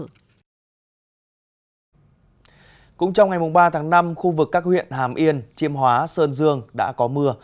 cũng trong ngày ba tháng năm khu vực các huyện hàm yên chiêm hóa sơn dương đã có mưa